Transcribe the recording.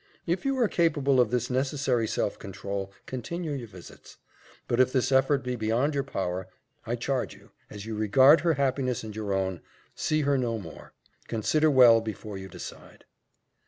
If you are capable of this necessary self control, continue your visits; but if this effort be beyond your power, I charge you, as you regard her happiness and your own, see her no more. Consider well, before you decide."